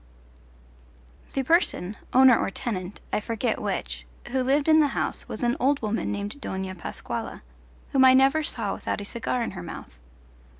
The person owner or tenant, I forget which who lived in the house was an old woman named Dona Pascuala, whom I never saw without a cigar in her mouth.